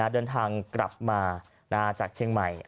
เดินทางกลับมาจากเชียงใหม่